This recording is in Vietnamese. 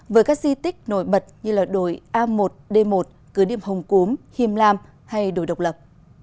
với các di tích nổi bật như đổi a một d một cứ điểm hồng cúm hiềm lam hay đổi độc lập